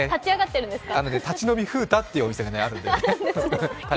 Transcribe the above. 立ち飲み風太っていうお店があるんです。